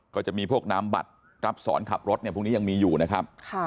ก็จะมีพวกน้ำบัตรรับสอนขับรถเนี่ยพวกนี้ยังมีอยู่นะครับ